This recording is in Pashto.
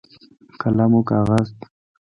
قلم او کاغذ